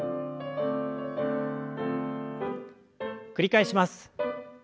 繰り返します。